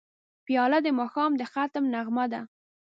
پیاله د ماښام د ختم نغمه ده.